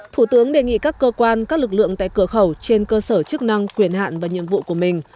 thủ tướng đề nghị các cơ quan các lực lượng tại cửa khẩu trên cơ sở chức năng quyền hạn và nhiệm vụ của mình